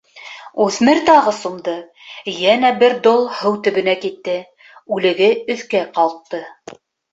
Үҫмер тағы сумды — йәнә бер дол һыу төбөнә китте, үлеге өҫкә ҡалҡты.